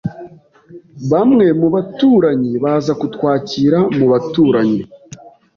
Bamwe mu baturanyi baza kutwakira mu baturanyi.